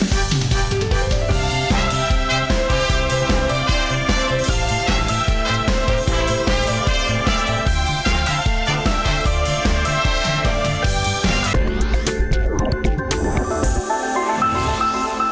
โปรดติดตามตอนต่อไป